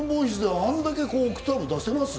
あんだけオクターブ出せます？